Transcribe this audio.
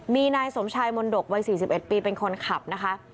มีนายสมชายมนตกวัย๔๑ปีเป็นคนขับนะคะ